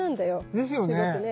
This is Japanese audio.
すごくね。